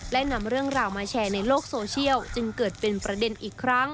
และนำเรื่องราวมาแชร์ในโลกโซเชียลจึงเกิดเป็นประเด็นอีกครั้ง